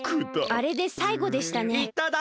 あれでさいごでしたね。